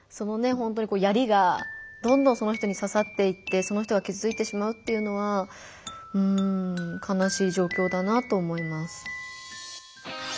ほんとに槍がどんどんその人にささっていってその人がきずついてしまうっていうのはかなしい状況だなと思います。